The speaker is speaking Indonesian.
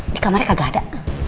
di kamarnya kagak ada